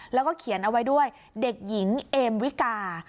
แล้วก็เขียนเอาไว้ด้วยเด็กหญิงเอมวิกา